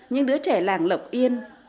những đứa trẻ làng lộc yên